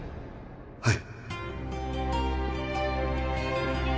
はい